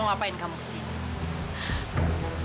mau ngapain kamu kesini